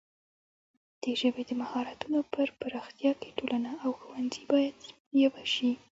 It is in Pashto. د ژبې د مهارتونو پر پراختیا کې ټولنه او ښوونځي باید یوه برخه شي.